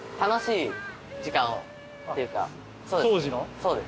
そうです。